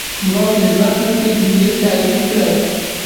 واورئ برخه کې جملې تایید کړئ.